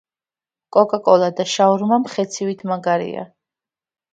კოკა კოლა და შაურმა მხეცივით მაგარია